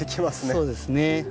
そうですね。